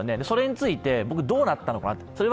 それについてどうなったのか。